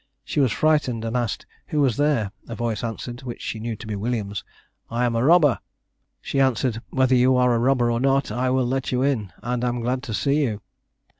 She was frightened and asked, "Who was there?" A voice answered, which she knew to be Williams's, "I am a robber!" She answered, "Whether you are a robber or not, I will let you in, and am glad to see you."